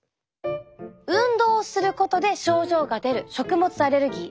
運動することで症状が出る食物アレルギー。